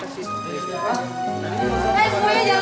eh disini wongan ada undangan